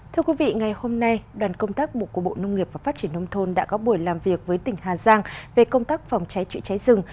thưa quý vị ngày hôm nay đoàn công tác bộ của bộ nông nghiệp và phát triển nông thôn đã có buổi làm việc với tỉnh hà giang về công tác phòng cháy trụ cháy rừng